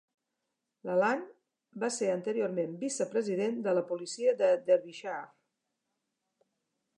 L'Alan va ser anteriorment vicepresident de la policia de Derbyshire.